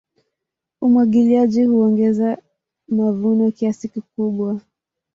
Umwagiliaji huongeza mavuno kiasi kikubwa.